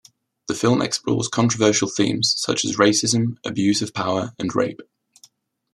The film explores controversial themes such as racism, abuse of power, and rape.